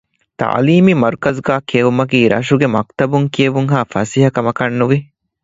ތަޢުލީމީ މަރުކަޒުގައި ކިޔެވުމަކީ ރަށުގެ މަކުތަބުން ކިޔެވުންހާ ފަސޭހަ ކަމަކަށް ނުވި